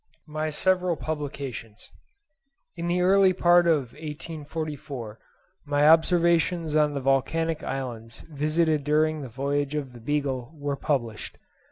MY SEVERAL PUBLICATIONS. In the early part of 1844, my observations on the volcanic islands visited during the voyage of the "Beagle" were published.